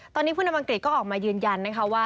ตอนนี้ผู้นำอังกฤษก็ออกมายืนยันนะคะว่า